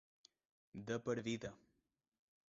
De per vida.